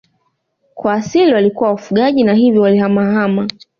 Kwa asili walikuwa wafugaji na hivyo walihamahama